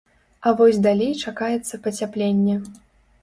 А вось далей чакаецца пацяпленне.